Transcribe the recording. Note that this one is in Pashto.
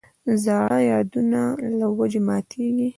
زړه د یادونو له وجې ماتېږي.